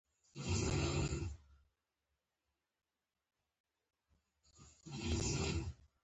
د دې لپاره چې والوزي یو بل په غېږ کې ونیسي.